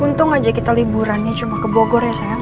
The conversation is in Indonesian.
untung aja kita liburannya cuma ke bogor ya sayang